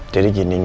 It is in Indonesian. jadi gini nga